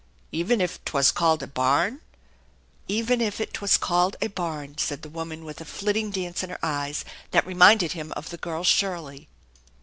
" Even if 'twas called a barn? "" Even if 'twas called a barn !" said the woman with a flitting dance in her eyes that reminded him of the girl Shirley.